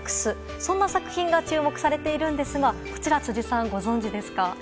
そんな作品が注目されているんですがこちら辻さん、ご存じですか？